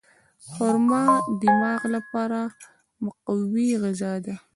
خرما د دماغ لپاره مقوي غذا ده.